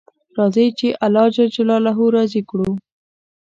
راځئ چې الله جل جلاله راضي کړو